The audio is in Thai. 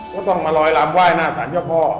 ก็ต้องมาลอยลำไหว้หน้าสารเจ้าพ่อ